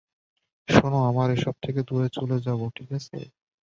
শোনো, আমরা এসব থেকে দূরে চলে যাবো, ঠিক আছে?